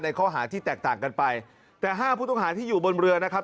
ในข้อหาที่แตกต่างกันไปแต่๕พวกพุทธอาหารที่อยู่บนเรือนะครับ